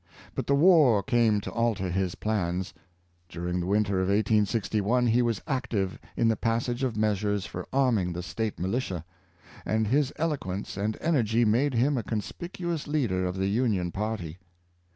But the war came to alter his plans. During the winter of 1861 he was active in the passage of measures for arming the State militia, and his eloquence and energy made him a con spicuous leader of the Union party.